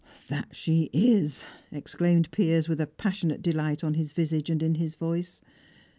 "That she is!" exclaimed Piers, with a passionate delight on his visage and in his voice.